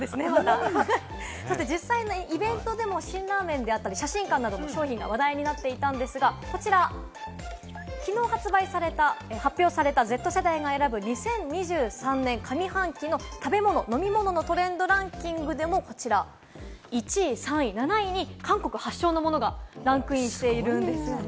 実際のイベントでも辛ラーメンであったり、写真館などの商品が話題になっていたんですが、こちら、きのう発売された、発表されたＺ世代が選ぶ２０２３年上半期の食べ物・飲み物のトレンドランキングでも１位、３位、７位に韓国発祥のものがランクインしているんですよね。